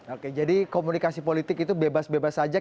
oke jadi komunikasi politik itu bebas bebas saja